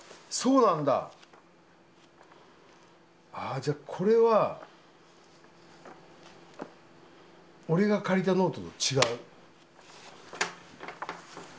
あじゃあこれは俺が借りたノートと違う。